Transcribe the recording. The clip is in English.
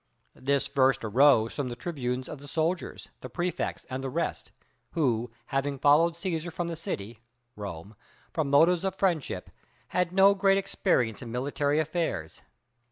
This first arose from the tribunes of the soldiers, the prefects and the rest, who, having followed Cæsar from the city [Rome] from motives of friendship, had no great experience in military affairs.